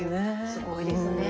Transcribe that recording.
すごいですね。